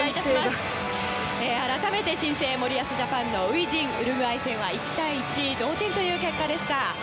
改めて新生森保ジャパンの初陣ウルグアイ戦は１対１の同点という結果でした。